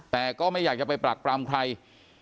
แต่ก็ไม่อยากจะไปปรักปรำใคร